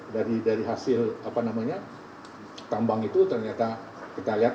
dari hasil tambang itu ternyata kita lihat